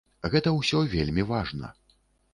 Гэта ўсё вельмі важна.